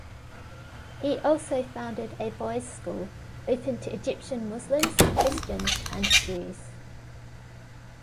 He also founded a boys' school open to Egyptian Muslims, Christians, and Jews.